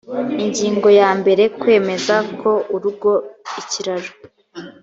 ingingo yambere kwemeza ko urugo ikiraro